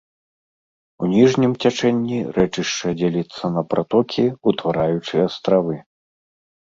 У ніжнім цячэнні рэчышча дзеліцца на пратокі, утвараючы астравы.